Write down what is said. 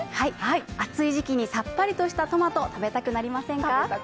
暑い時期にさっぱりとしたトマト、食べたくなりませんか？